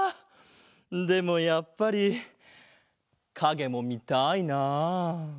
でもやっぱりかげもみたいなあ。